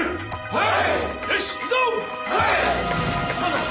はい！